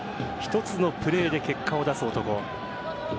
１つのプレーで結果を出す男。